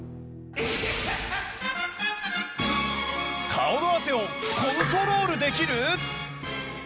顔の汗をコントロールできる？